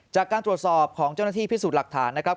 จากการตรวจสอบของเจ้าหน้าที่พิสูจน์หลักฐานนะครับ